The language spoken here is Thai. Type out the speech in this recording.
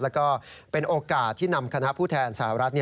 แล้วก็เป็นโอกาสที่นำคณะผู้แทนสหรัฐ